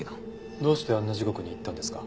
どうしてあんな時刻に行ったんですか？